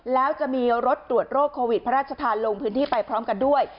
แล้วจะมีรถตรวจโรคโควิดพระราชทานลงพื้นที่ไปพร้อมกันด้วย